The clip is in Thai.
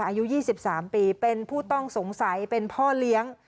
อายุ๒๓ปีเป็นผู้ต้องสงสัยเป็นพ่อเลี้ยง